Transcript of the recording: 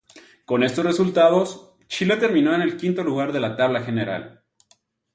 Con estos resultados, Chile terminó en el quinto lugar de la tabla general.